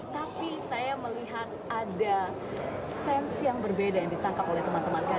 tapi saya melihat ada sens yang berbeda yang ditangkap oleh teman teman kami